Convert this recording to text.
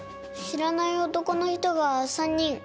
知らない男の人が３人。